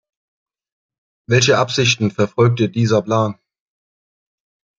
Welche Absichten verfolgte dieser Plan?